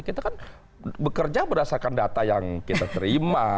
kita kan bekerja berdasarkan data yang kita terima